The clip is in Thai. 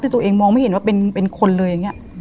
คือตัวเองมองไม่เห็นว่าเป็นคนเลยอย่างนี้